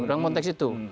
dalam konteks itu